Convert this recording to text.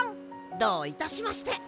どういたしまして。